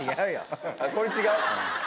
これ違う？